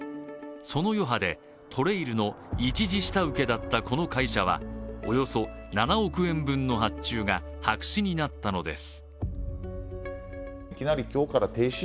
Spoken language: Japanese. その余波で、ＴＲＡＩＬの１次下請けだったこの会社は、およそ７億円分の発注が白紙になったのです。